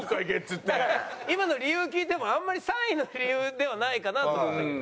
今の理由聞いてもあんまり３位の理由ではないかなと。